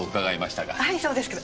はいそうですけど。